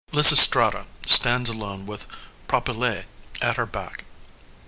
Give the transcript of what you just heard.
LYSISTRATA _stands alone with the Propylaea at her back.